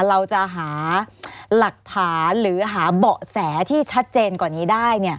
เราจะหาหลักฐานหรือหาเบาะแสที่ชัดเจนกว่านี้ได้